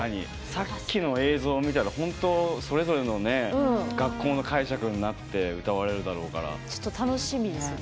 さっきの映像見たらそれぞれの学校の解釈になって歌われるだろうから。